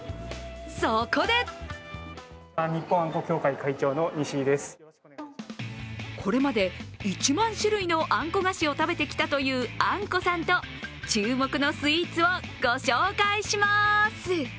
そこでこれまで１万種類のあんこ菓子を食べてきたという、あんこさんと注目のスイーツをご紹介します。